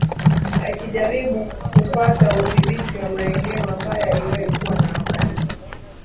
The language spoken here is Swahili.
akijaribu kupata udhibiti wa maeneo ambayo yaliwahi kuwa na amani